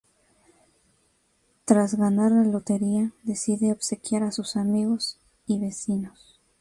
Tras ganar la lotería, decide obsequiar a sus amigos y vecinos.